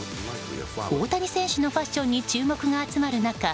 大谷選手のファッションに注目が集まる中